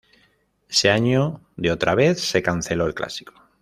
Ese año de otra vez se canceló el clásico.